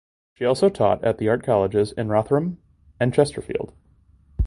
She also taught at the art colleges in Rotherham and Chesterfield.